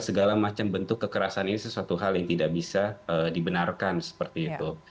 segala macam bentuk kekerasan ini sesuatu hal yang tidak bisa dibenarkan seperti itu